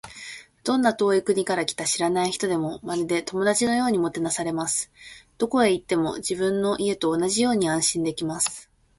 どんな遠い国から来た知らない人でも、まるで友達のようにもてなされます。どこへ行っても、自分の家と同じように安心できます。